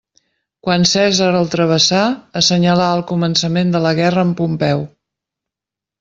Quan Cèsar el travessà, assenyalà el començament de la guerra amb Pompeu.